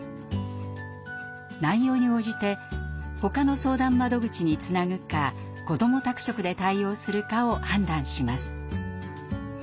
内容に応じてほかの相談窓口につなぐかこども宅食で対応するかを判断します。